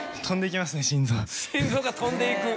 心臓が飛んでいく。